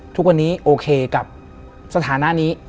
ทุกวันนี้โอเคกับสถานะนี้